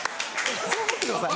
そう思ってください。